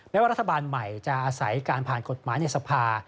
ว่ารัฐบาลใหม่จะอาศัยการผ่านกฎหมายในสภา